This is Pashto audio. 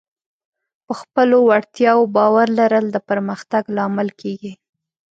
په خپلو وړتیاوو باور لرل د پرمختګ لامل کېږي.